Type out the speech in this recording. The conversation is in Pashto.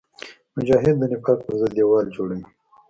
مجاهد د نفاق پر ضد دیوال جوړوي.